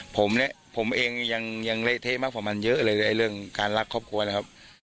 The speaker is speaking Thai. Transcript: ผมเนี่ยผมเองยังเละเทะมากกว่ามันเยอะเลยเรื่องการรักครอบครัวนะครับ